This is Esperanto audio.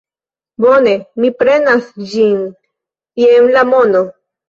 Bone, mi prenas ĝin; jen la mono.